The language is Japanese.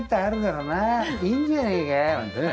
「いいんじゃないか」なんてね。